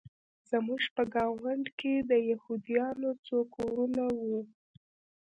زموږ په ګاونډ کې د یهودانو څو کورونه وو